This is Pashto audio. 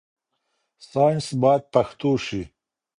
ساينس بايد پښتو شي.